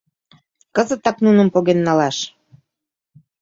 — Кызытак нуным поген налаш!